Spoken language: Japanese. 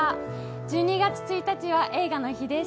１２月１日は映画の日です。